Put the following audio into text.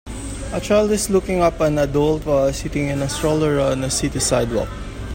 A child is looking up at an adult while sitting in a stroller on a city sidewalk.